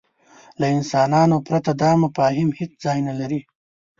له انسانانو پرته دا مفاهیم هېڅ ځای نهلري.